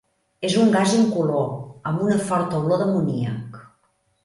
És un gas incolor amb una forta olor d'amoníac.